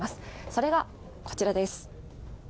それがこちらです。